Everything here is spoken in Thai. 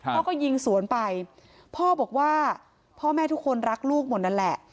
พ่อก็ยิงสวนไปพ่อบอกว่าพ่อแม่ทุกคนรักลูกหมดนั่นแหละ